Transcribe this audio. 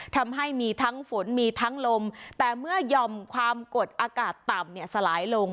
ทำให้มีทั้งฝนมีทั้งลมแต่เมื่อยอมความกดอากาศต่ำเนี่ยสลายลง